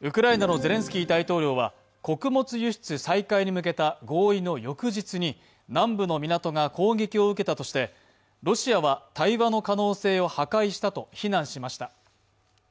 ウクライナのゼレンスキー大統領は、穀物輸出再開に向けた合意の翌日に南部の港が攻撃を受けたとしてロシアは対話の可能性を破壊したと非難しました。